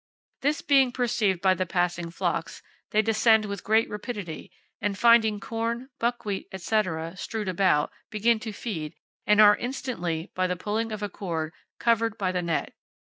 This being perceived by the passing flocks, they descend with great rapidity, and finding corn, buckwheat, etc, strewed about, begin to feed, and are instantly, by the pulling of a cord, covered by the net.